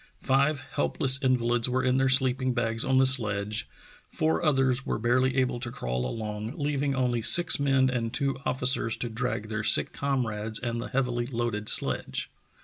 Five helpless invalids were in their sleeping bags on the sledge, four others were barely able to crawl along, leaving only six men and two officers to drag their sick comrades and the heavily loaded sledge.